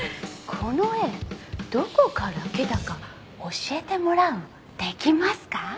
この絵どこから来たか教えてもらうできますか？